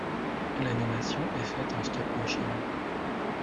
L'animation est faite en stop motion.